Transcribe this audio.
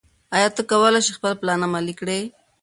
ایا ته کولای شې خپل پلان عملي کړې؟